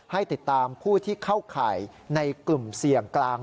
ให้ติดตามผู้ที่เข้าข่ายในกลุ่มเสี่ยงกลาง